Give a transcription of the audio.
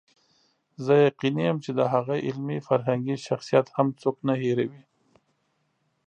زه یقیني یم چې د هغه علمي فرهنګي شخصیت هم څوک نه هېروي.